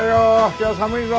今日寒いぞ。